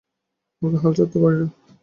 আমরা হাল ছাড়তে পারি না।